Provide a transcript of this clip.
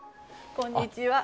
こんにちは。